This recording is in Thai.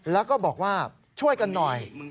แล้วก็บอกว่าช่วยกันหน่อย